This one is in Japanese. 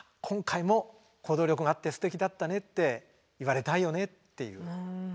今回も行動力があってすてきだったねって言われたいよねっていう。